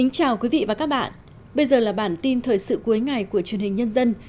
chào mừng quý vị đến với bản tin thời sự cuối ngày của truyền hình nhân dân